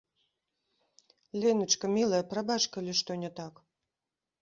Леначка, мілая, прабач, калі што не так.